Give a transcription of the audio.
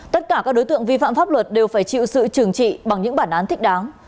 tất cả các đối tượng vi phạm pháp luật đều phải chịu sự trừng trị bằng những bản án thích đáng